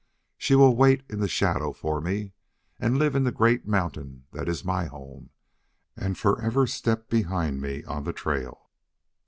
She will wait in the shadow for me, and live in the great mountain that is my home, and for ever step behind me on the trail."